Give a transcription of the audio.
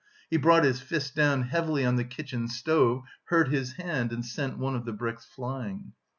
He brought his fist down heavily on the kitchen stove, hurt his hand and sent one of the bricks flying.